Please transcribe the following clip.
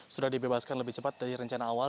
sudah dibebaskan lebih cepat dari rencana awal